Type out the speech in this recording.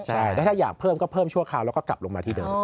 ใช่แล้วถ้าอยากเพิ่มก็เพิ่มชั่วคราวแล้วก็กลับลงมาที่เดิม